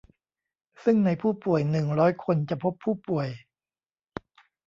ซึ่งในผู้ป่วย หนึ่งร้อย คน จะพบผู้ป่วย